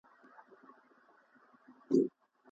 دا غمى اوس له بــازاره دى لوېـدلى